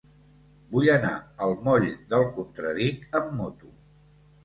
Vull anar al moll del Contradic amb moto.